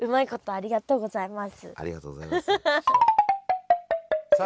ありがとうございます。